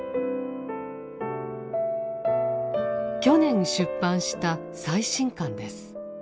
去年出版した最新刊です。